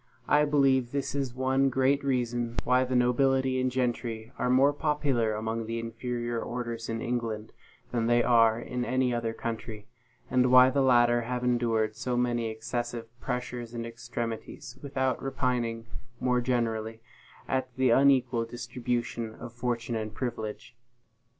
I believe this is one great reason why the nobility and gentry are more popular among the inferior orders in England than they are in any other country; and why the latter have endured so many excessive pressures and extremities, without repining more generally at the unequal distribution of fortune and privilege.